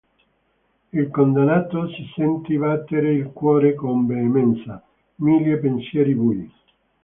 Il condannato si sentì battere il cuore con veemenza; mille pensieri bui.